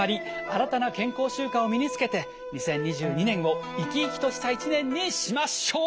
新たな健康習慣を身につけて２０２２年を生き生きとした一年にしましょう！